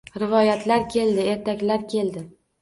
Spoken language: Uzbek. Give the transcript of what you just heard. Rivoyatlar keldi, ertaklar keldi